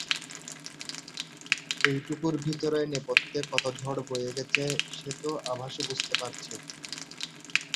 এইটুকুর ভিতরে নেপথ্যে কত ঝড় বয়ে গেছে সে তো আভাসে বুঝতে পারছি।